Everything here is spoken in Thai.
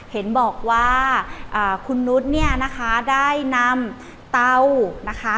เห็นบอกว่าคุณนุษย์เนี่ยนะคะได้นำเตานะคะ